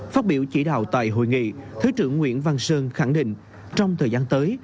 phát biểu chỉ đạo tại hội nghị thứ trưởng nguyễn văn sơn khẳng định trong thời gian tới